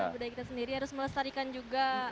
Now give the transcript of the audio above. budaya kita sendiri harus melestarikan juga